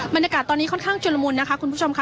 บรรยากาศตอนนี้ค่อนข้างชุลมุนนะคะคุณผู้ชมค่ะ